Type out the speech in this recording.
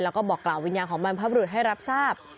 แล้วก็บอกกล่าววิญญาณของบรรพบรุษให้รับทราบ